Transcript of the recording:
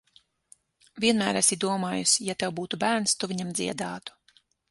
Vienmēr esi domājusi, ja tev būtu bērns, tu viņam dziedātu.